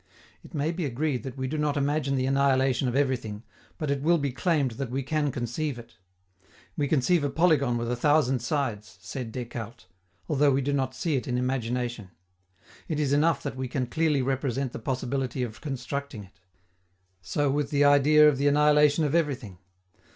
It may be agreed that we do not imagine the annihilation of everything, but it will be claimed that we can conceive it. We conceive a polygon with a thousand sides, said Descartes, although we do not see it in imagination: it is enough that we can clearly represent the possibility of constructing it. So with the idea of the annihilation of everything.